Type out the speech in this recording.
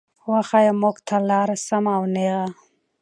وښايه مونږ ته لاره سمه او نېغه